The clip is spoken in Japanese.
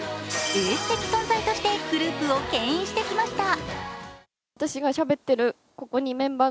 エース的存在としてグループをけん引してきました。